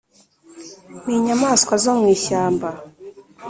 ni inyamaswa zo mu ishyamba